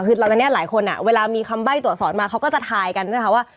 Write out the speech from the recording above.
คืออันนี้หลายคนอ่ะเวลามีคำใบ้ตัวสอนมาเขาก็จะถ่ายกันนะคะว่า